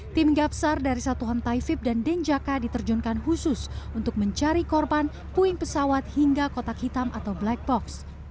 tim gapsar dari satuan taifib dan denjaka diterjunkan khusus untuk mencari korban puing pesawat hingga kotak hitam atau black box